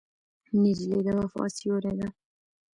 نجلۍ د وفا سیوری ده.